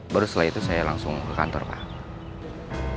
baru setelah itu saya langsung ke kantor pak